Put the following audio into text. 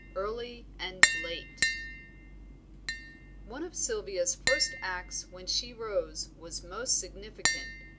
EARLY AND LATE. One of Sylvia's first acts when she rose was most significant.